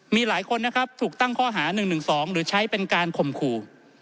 มีหลายคนนะครับถูกตั้งข้อหา๑๑๒หรือใช้เป็นการข่มขู่